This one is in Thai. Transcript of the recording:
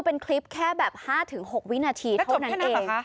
เป็นคลิปแค่แบบ๕๖วินาทีเท่านั้นเองตัดจบแค่นั้นเหรอคะ